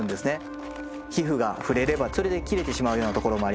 皮膚が触れればそれで切れてしまうようなところもあります。